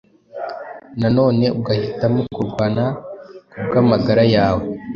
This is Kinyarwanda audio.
noneho ugahitamo kurwana kubw’amagara yawe